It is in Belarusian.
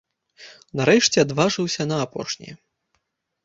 Нарэшце, адважыўся на апошняе.